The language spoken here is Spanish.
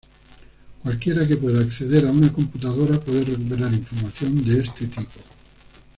Cualquiera que pueda acceder a una computadora puede recuperar información de este tipo.